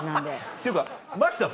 っていうか真木さん